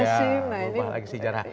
berubah lagi sejarah